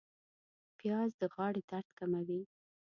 پیاز د غاړې درد کموي